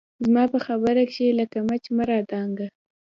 زما په خبره کښې لکه مچ مه رادانګه